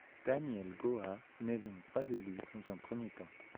Daniel Goa n'est donc pas élu dans un premier temps.